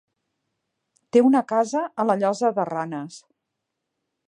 Té una casa a la Llosa de Ranes.